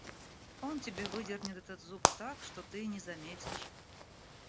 Он тебе выдернет этот зуб так, что ты и не заметишь.